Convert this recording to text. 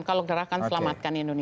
kalau gerakan selamatkan indonesia